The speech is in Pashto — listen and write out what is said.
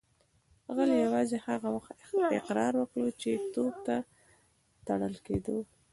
غل یوازې هغه وخت اقرار وکړ کله چې توپ ته تړل کیده